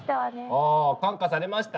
ああ感化されました？